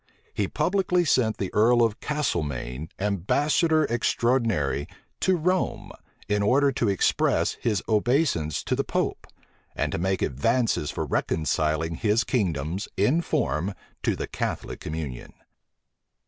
He publicly sent the earl of Castelmaine ambassador extraordinary to Rome, in order to express his obeisance to the pope, and to make advances for reconciling his kingdoms, in form, to the Catholic communion.